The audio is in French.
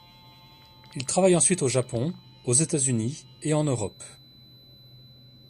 Il travaille ensuite au Japon, aux États-Unis et en Europe.